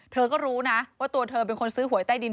เธอก็รู้นะว่าตัวเธอเป็นคนซื้อหวยใต้ดิน